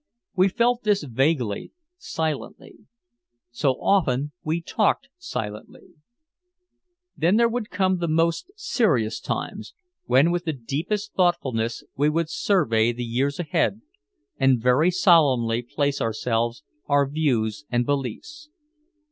We felt this vaguely, silently. So often we talked silently. Then there would come the most serious times, when with the deepest thoughtfulness we would survey the years ahead and very solemnly place ourselves, our views and beliefs.